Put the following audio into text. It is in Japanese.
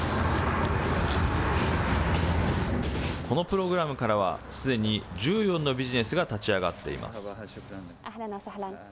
このプログラムからは、すでに１４のビジネスが立ち上がっています。